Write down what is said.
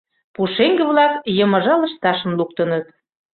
Пушеҥге-влак йымыжа лышташым луктыныт.